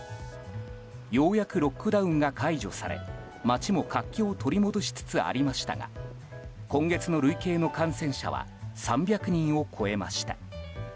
ようやくロックダウンが解除され街も活気を取り戻しつつありましたが今月の累計の感染者は３００人を超えました。